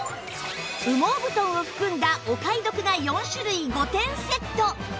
羽毛布団を含んだお買い得な４種類５点セット